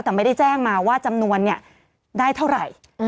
แต่ไม่ได้แจ้งมาว่าจำนวนเนี่ยได้เท่าไหร่